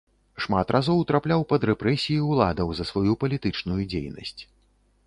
Шмат разоў трапляў пад рэпрэсіі ўладаў за сваю палітычную дзейнасць.